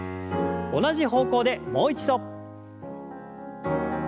同じ方向でもう一度。